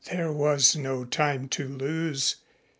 There was no time to lose.